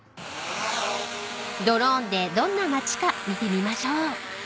［ドローンでどんな町か見てみましょう］